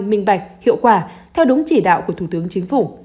minh bạch hiệu quả theo đúng chỉ đạo của thủ tướng chính phủ